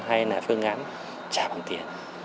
hay là phương án trả bằng tiền